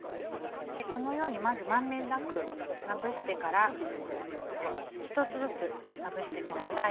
このようにまず満遍なくまぶしてから１つずつまぶしてください。